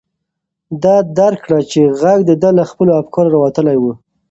ده درک کړه چې غږ د ده له خپلو افکارو راوتلی و.